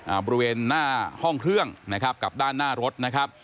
บริเวณหน้าห้องเครื่องนะครับกับด้านหน้ารถนะครับ